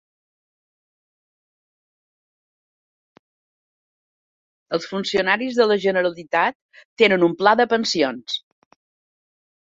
Els funcionaris de la Generalitat tenen un pla de pensions.